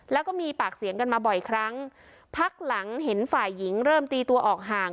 แล้วก็มีปากเสียงกันมาบ่อยครั้งพักหลังเห็นฝ่ายหญิงเริ่มตีตัวออกห่าง